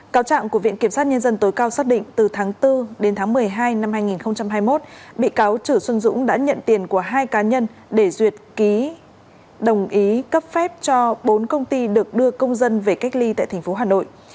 cáo trạng của viện kiểm sát nhân dân tối cao xác định từ tháng bốn đến tháng một mươi hai năm hai nghìn hai mươi một bị cáo chử xuân dũng đã nhận tiền của hai cá nhân để duyệt ký đồng ý cấp phép cho bốn công ty được đưa công dân về cách ly tại tp hà nội